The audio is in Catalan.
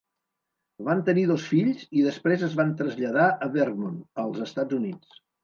Van tenir dos fills i després es van traslladar a Vermont, als Estats Units.